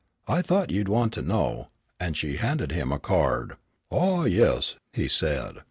I thought you'd want to know," and she handed him a card. "Ah, yes," he said.